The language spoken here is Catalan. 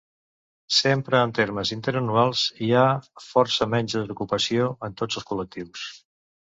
Sempre en termes interanuals, hi ha força menys desocupació en tots els col·lectius.